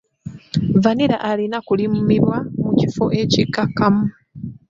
Vanilla alina kulimibwa mu kifo ekikakkamu.